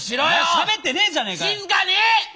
しゃべってねえじゃねえかよ。